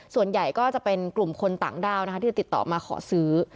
ส่วนใหญ่ก็จะเป็นกลุ่มคนต่างด้าวนะคะที่จะติดต่อมาขอซื้อ